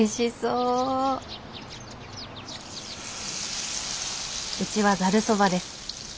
うちはざるそばです。